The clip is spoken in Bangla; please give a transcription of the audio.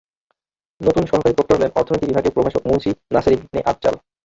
নতুন সহকারী প্রক্টর হলেন অর্থনীতি বিভাগের প্রভাষক মুন্সী নাসের ইবনে আফজাল।